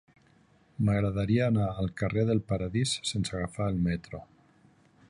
M'agradaria anar al carrer del Paradís sense agafar el metro.